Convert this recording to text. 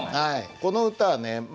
この歌はね